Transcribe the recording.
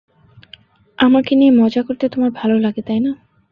আমাকে নিয়ে মজা করতে তোমার ভালো লাগে, তাই না?